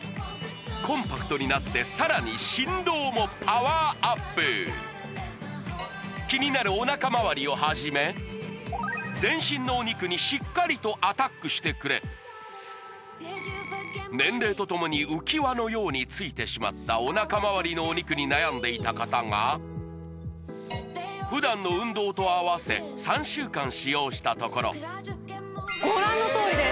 コンパクトになってさらに振動もパワーアップキニナルおなかまわりをはじめ全身のお肉にしっかりとアタックしてくれ年齢とともに浮き輪のようについてしまったおなかまわりのお肉に悩んでいた方が普段の運動と併せ３週間使用したところご覧のとおりです